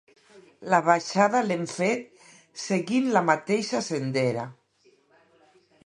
La baixada l'hem fet seguint la mateixa sendera.